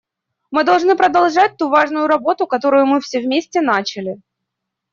Мы должны продолжать ту важную работу, которую мы все вместе начали.